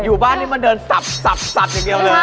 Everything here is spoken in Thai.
อยู่บ้านนี่มันเดินสับอย่างเดียวเลย